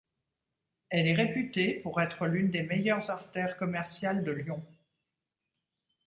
Elle est réputée pour être l'une des meilleures artères commerciales de Lyon.